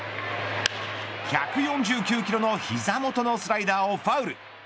１４９キロの膝元のスライダーをファウル。